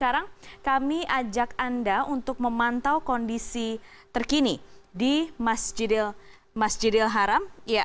sekarang kami ajak anda untuk memantau kondisi terkini di masjidil haram